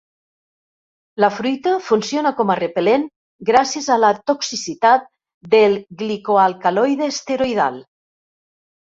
La fruita funciona com a repel·lent gràcies a la toxicitat del glicoalcaloide esteroïdal.